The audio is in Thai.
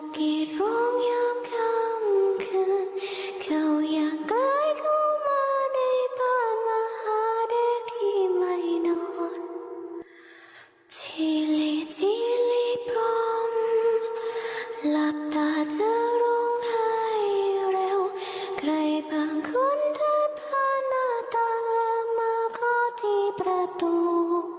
ใครบางคนจะพาหน้าตาแล้วมาขอดีประตู